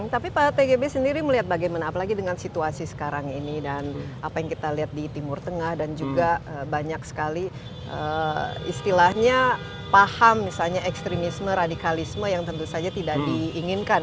tapi pak tgb sendiri melihat bagaimana apalagi dengan situasi sekarang ini dan apa yang kita lihat di timur tengah dan juga banyak sekali istilahnya paham misalnya ekstremisme radikalisme yang tentu saja tidak diinginkan